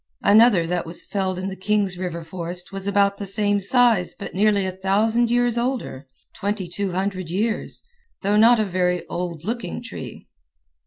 Another that was felled in the Kings River forest was about the same size but nearly a thousand years older (2200 years), though not a very old looking tree.